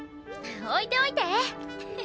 置いておいて。